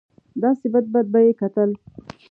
داسې بد بد به یې کتل.